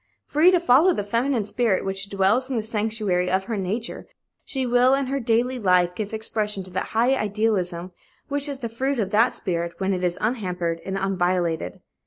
Free to follow the feminine spirit, which dwells in the sanctuary of her nature, she will, in her daily life, give expression to that high idealism which is the fruit of that spirit when it is unhampered and unviolated.